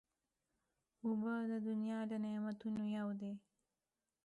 اوبه د دنیا له نعمتونو یو دی.